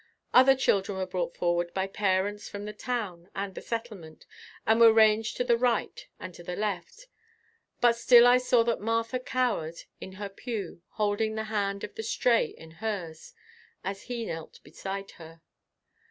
Other children were brought forward by parents from the Town and the Settlement and were ranged to the right and to the left, but still I saw that Martha cowered in her pew holding the hand of the Stray in hers as he knelt beside her.